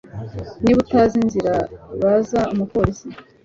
Niba utazi inzira baza umupolisi